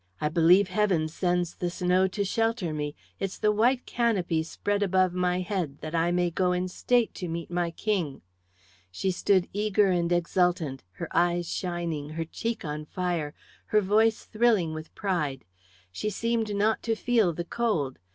I believe Heaven sends the snow to shelter me. It's the white canopy spread above my head, that I may go in state to meet my King." She stood eager and exultant, her eyes shining, her cheek on fire, her voice thrilling with pride. She seemed not to feel the cold.